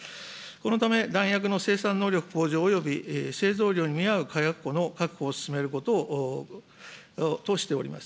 このため、弾薬の生産能力向上および製造量に見合う火薬庫の確保を進めることとしております。